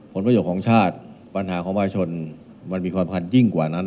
ผลประโยชน์ของชาติปัญหาของประชาชนมันมีความพันธยิ่งกว่านั้น